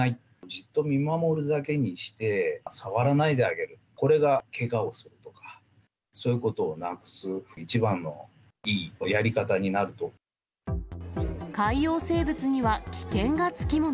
じっと見守るだけにして、触らないであげる、これがけがをするとか、そういうことをなくす、海洋生物には危険が付き物。